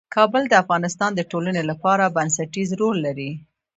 کابل د افغانستان د ټولنې لپاره بنسټيز رول لري.